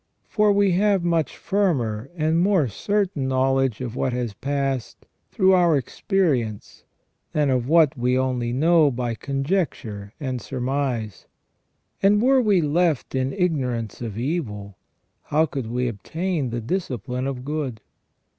For we have much firmer and more certain know ledge of what has passed through our experience than of what we only know by conjecture and surmise ; and were we left in ignorance of evil, how could we obtain the discipline of good